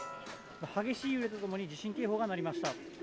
激しい揺れとともに、地震警報が鳴りました。